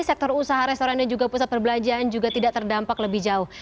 sektor usaha restoran dan juga pusat perbelanjaan juga tidak terdampak lebih jauh